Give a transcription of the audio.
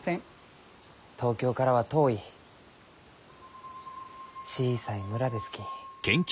東京からは遠い小さい村ですき。